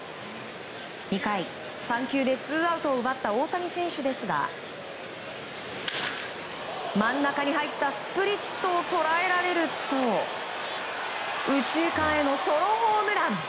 ２回、３球でツーアウトを奪った大谷選手ですが真ん中に入ったスプリットを捉えられると右中間へのソロホームラン。